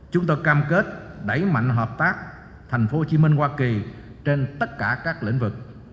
chúng tôi cam kết đẩy mạnh hợp tác thành phố hồ chí minh hoa kỳ trên tất cả các lĩnh vực